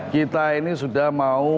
kita ini sudah mau